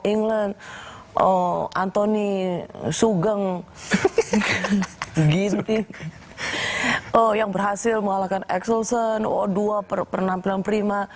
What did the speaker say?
england oh anthony sugeng gini oh yang berhasil mengalahkan excelsson o dua per penampilan prima